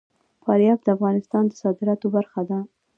فاریاب د افغانستان د صادراتو برخه ده.